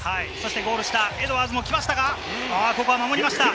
ゴール下、エドワーズも来ましたが、守り切りました。